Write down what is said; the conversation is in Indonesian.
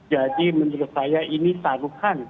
jadi menurut saya ini taruhkan